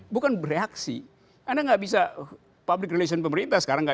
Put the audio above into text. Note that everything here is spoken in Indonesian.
bukan bereaksi anda nggak bisa public relation pemerintah sekarang